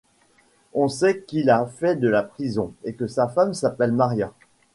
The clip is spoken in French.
On sait qu'il a fait de la prison et que sa femme s'appelle Maria.